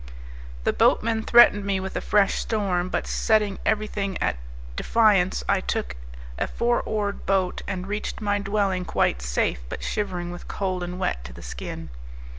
The boatmen threatened me with a fresh storm; but setting everything at defiance I took a four oared boat, and reached my dwelling quite safe but shivering with cold and wet to the skin.